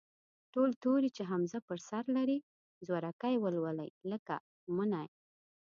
ټول توري چې همزه پر سر لري، زورکی ولولئ، لکه: مٔنی.